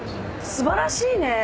素晴らしいね。